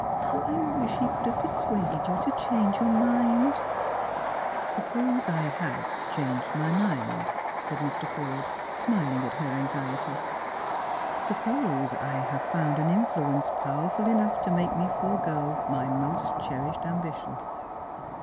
How I wish he could have per suaded you to change your mind !"" Suppose I have changed my mind?" said Mr. Forde, smil ing at her anxiety. " Suppose 1 have found an influence power ful enough to make me forego my most cherished ambition